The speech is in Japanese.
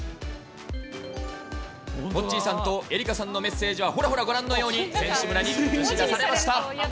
モッチーさんと愛花さんのメッセージが、ほらほら、ご覧のように、選手村に映し出されました。